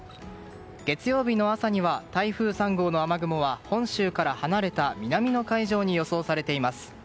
月曜日の朝には台風３号の雨雲は本州から離れた南の海上に予想されています。